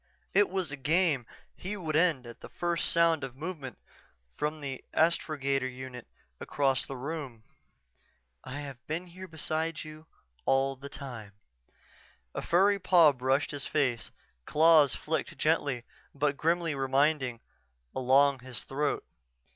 It was a game he would end at the first sound of movement from the astrogator unit across the room.... "I have been here beside you all the time." A furry paw brushed his face, claws flicked gently but grimly reminding along his throat.